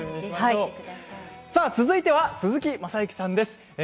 続いては鈴木雅之さんです。